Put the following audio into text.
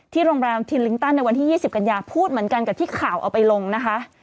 โรงแรมทินลิงตันในวันที่๒๐กันยาพูดเหมือนกันกับที่ข่าวเอาไปลงนะคะ